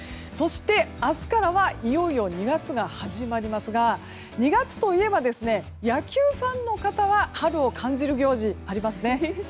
そして、明日からはいよいよ２月が始まりますが２月といえば野球ファンの方は春を感じる行事がありますね。